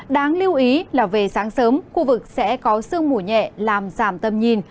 đáng lưu ý là về sáng sớm khu vực sẽ có sương mù nhẹ làm giảm tầm nhìn